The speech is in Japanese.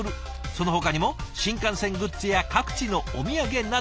そのほかにも新幹線グッズや各地のお土産などなど。